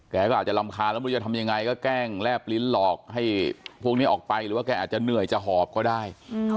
แกก็อาจจะรำคาญแล้วไม่รู้จะทำยังไงก็แกล้งแลบลิ้นหลอกให้พวกนี้ออกไปหรือว่าแกอาจจะเหนื่อยจะหอบก็ได้